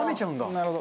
なるほど。